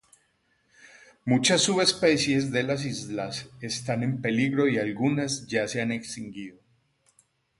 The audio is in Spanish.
Muchas subespecies de las islas están en peligro y algunas ya se han extinguido.